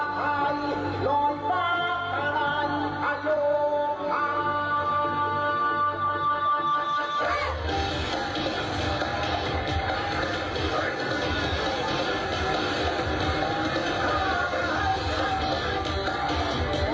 คนดูต้องร้องวาวเลยงานนี้มันสุดเจ๋งเบอร์ไหนไปดูเลยค่ะ